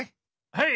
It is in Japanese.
はい。